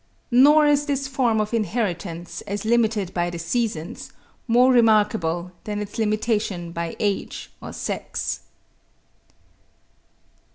Nor is this form of inheritance, as limited by the seasons, more remarkable than its limitation by age or sex.